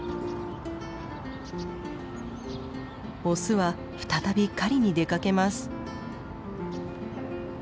オスは再び狩りに出かけます。